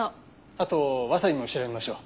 あとワサビも調べましょう。